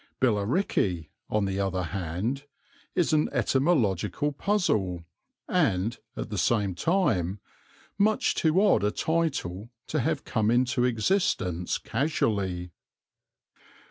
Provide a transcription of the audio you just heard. "Billericay," on the other hand, is an etymological puzzle, and, at the same time, much too odd a title to have come into existence casually.